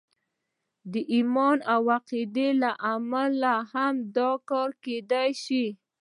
د ایمان او اعتقاد له امله هم دا کار کېدای شي